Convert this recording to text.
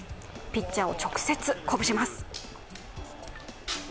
ピッチャーを直接、鼓舞します。